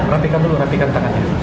rapikan dulu rapikan tangannya